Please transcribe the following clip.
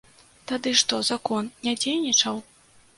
Тады што, закон не дзейнічаў?